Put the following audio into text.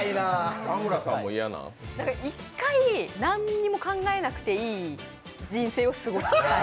１回、何も考えなくていい人生を過ごしたい。